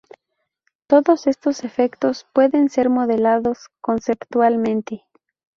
Todos estos efectos pueden ser modelados conceptualmente.